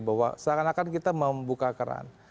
bahwa seakan akan kita membuka keran